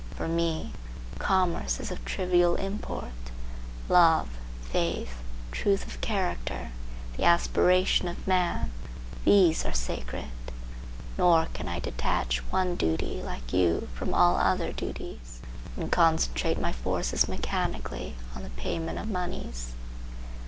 For me, commerce is of trivial import; love, faith, truth of character, the aspiration of man, these are sacred; nor can I detach one duty, like you, from all other duties, and concentrate my forces mechanically on the payment of moneys.